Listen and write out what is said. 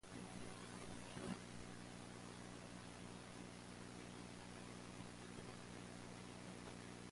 The village is surrounded on all sides by woodland and arable farmland.